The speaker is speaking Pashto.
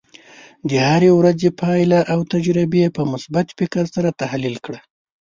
د هرې ورځې پایله او تجربې په مثبت فکر سره تحلیل کړه.